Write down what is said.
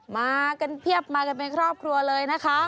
มากันเพียบมากันเป็นครอบครัวเลยนะคะ